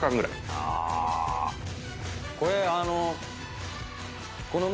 これあの。